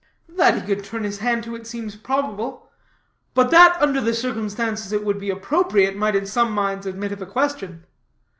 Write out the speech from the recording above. "That he could turn his hand to it seems probable; but that, under the circumstances, it would be appropriate, might in some minds admit of a question.